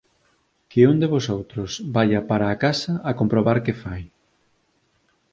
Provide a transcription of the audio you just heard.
Que un de vosoutros vaia para a casa a comprobar que fai.